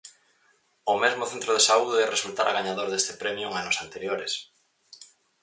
O mesmo centro de saúde resultara gañador deste premio en anos anteriores.